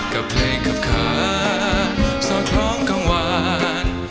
กำเพลงขับขาดสอบทรองกลางวาน